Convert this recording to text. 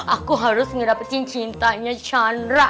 aku harus ngedapetin cintanya chandra